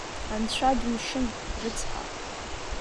Анцәа думшьын, рыцҳа.